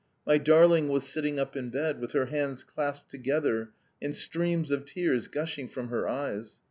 My darling was sitting up in bed, with her hands clasped together and streams of tears gushing from her eyes.